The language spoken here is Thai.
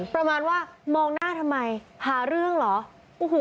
ประมาณว่ามองหน้าทำไมหาเรื่องเหรอ